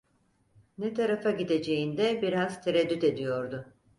Ne tarafa gideceğinde biraz tereddüt ediyordu.